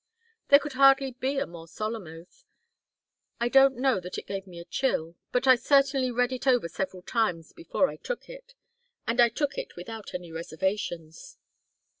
"There could hardly be a more solemn oath. I don't know that it gave me a chill, but I certainly read it over several times before I took it. And I took it without any reservations."